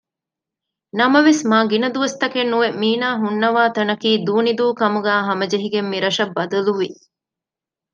ނަމަވެސް މާގިނަދުވަސްތަކެއް ނުވެ މީނާ ހުންނަވާ ތަނަކީ ދޫނިދޫކަމުގައި ހަމަޖެހިގެން މިރަށަށް ބަދަލުވި